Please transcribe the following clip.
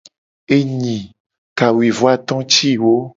Enyi kawuivoato ti wo.